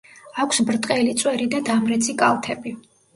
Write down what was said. აქვს ბრტყელი წვერი და დამრეცი კალთები.